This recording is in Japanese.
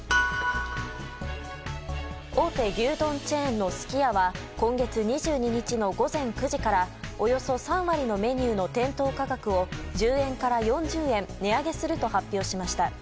大手牛丼チェーンのすき家は今月２２日の午前９時からおよそ３割のメニューの店頭価格を１０円から４０円値上げすると発表しました。